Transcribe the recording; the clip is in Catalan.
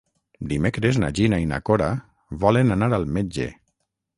Dimecres na Gina i na Cora volen anar al metge.